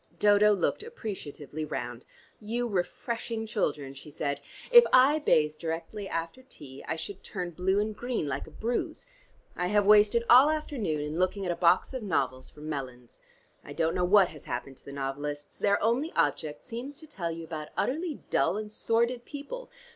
Dodo looked appreciatively round. "You refreshing children!" she said. "If I bathed directly after tea I should turn blue and green like a bruise. I have wasted all afternoon in looking at a box of novels from Melland's. I don't know what has happened to the novelists: their only object seems to tell you about utterly dull and sordid people.